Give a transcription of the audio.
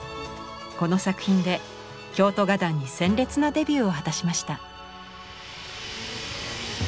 この作品で京都画壇に鮮烈なデビューを果たしました。